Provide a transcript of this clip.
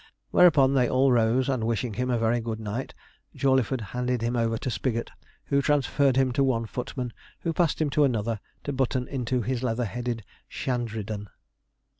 Whereupon they all rose, and wishing him a very good night, Jawleyford handed him over to Spigot, who transferred him to one footman, who passed him to another, to button into his leather headed shandridan.